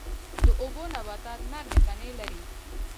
د اوبو نباتات نرمې تنې لري